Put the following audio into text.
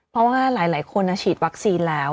เพราะว่าหลายคนฉีดวัคซีนแล้ว